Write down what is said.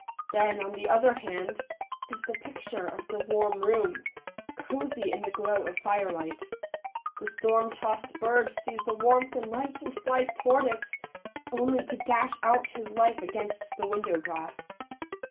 Then, on the other hand, is the pict ure of the warm room, cosey in the glow of firelight. The storm tossed bird sees the warmth and light and flies toward it, only to dash out his life against the window glass.